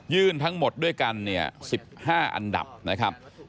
ทั้งหมดด้วยกันเนี่ย๑๕อันดับนะครับ